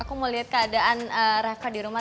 aku mau lihat keadaan reva di rumah